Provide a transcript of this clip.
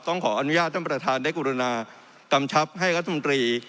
ขออนุญาตท่านประธานได้กรุณากำชับให้รัฐมนตรี